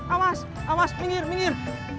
awas awas minggir minggir